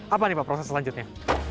apa nih pak proses selanjutnya